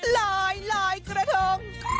ลายลายกระทง